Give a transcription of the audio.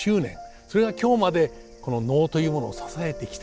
それが今日までこの能というものを支えてきた。